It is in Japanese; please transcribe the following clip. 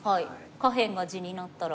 下辺が地になったら。